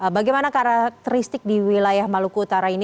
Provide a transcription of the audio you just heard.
bagaimana karakteristik di wilayah maluku utara ini